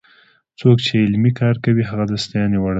څوک چې علمي کار کوي هغه د ستاینې وړ دی.